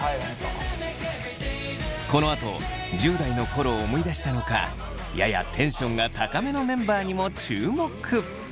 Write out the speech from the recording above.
このあと１０代の頃を思い出したのかややテンションが高めのメンバーにも注目。